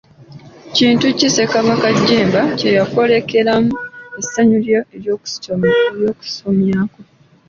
Kintu ki Ssekabaka Jjemba kye yayolekeramu essanyu lye ky' osomyeko?